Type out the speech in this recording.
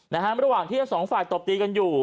ระหว่างที่ทั้งสองฝ่ายตบตีกันอยู่